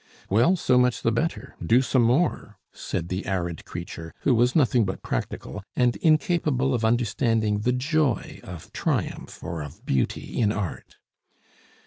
"Well, so much the better! Do some more," said the arid creature, who was nothing but practical, and incapable of understanding the joy of triumph or of beauty in Art.